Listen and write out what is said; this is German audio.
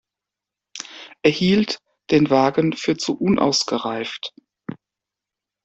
Er hielt den Wagen für zu unausgereift.